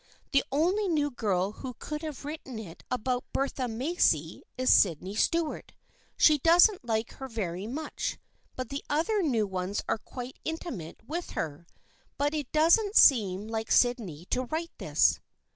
The only new girl who could have written it about Bertha Macy is Sydney Stuart. She doesn't like her very much, but the other new ones are quite intimate with her. But it doesn't seem like Syd ney to write this."